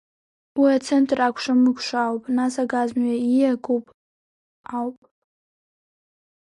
Уи ацентр акәшамыкәша ауп, нас агазмҩа ииагоуп ауп.